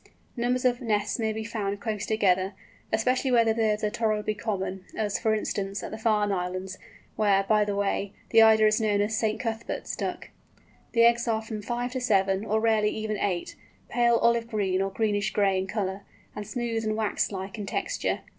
Numbers of nests may be found close together, especially where the birds are tolerably common, as, for instance, at the Farne Islands, where, by the way, the Eider is known as "St. Cuthbert's Duck." The eggs are from five to seven, or rarely even eight, pale olive green or greenish gray in colour, and smooth and wax like in texture.